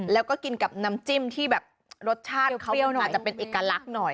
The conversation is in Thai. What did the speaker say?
แล้วก็กินกับน้ำจิ้มที่แบบรสชาติเขามันอาจจะเป็นเอกลักษณ์หน่อย